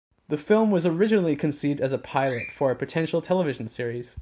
The film was originally conceived as a pilot for a potential television series.